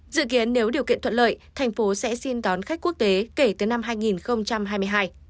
dự kiến nếu điều kiện thuận lợi thành phố sẽ xin đón khách quốc tế kể từ năm hai nghìn hai mươi hai